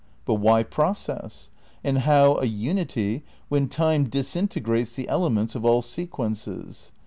But why process, and how a unity when time disintegrates the elements of all se quences?